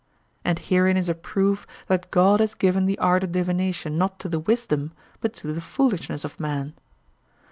And herein is a proof that God has given the art of divination not to the wisdom, but to the foolishness of man.